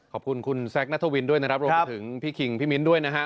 ขอบคุณคุณแซคนัทวินด้วยนะครับรวมถึงพี่คิงพี่มิ้นด้วยนะฮะ